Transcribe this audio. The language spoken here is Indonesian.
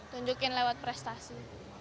tunjukin lewat prestasi